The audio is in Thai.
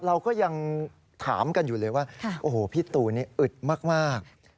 เราก็ยังถามกันอยู่เลยว่าโอ้โหพี่ตูนนี่อึดมาก